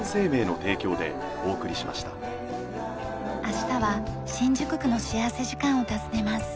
明日は新宿区の幸福時間を訪ねます。